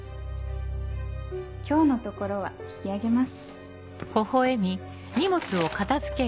今日のところは引き揚げます。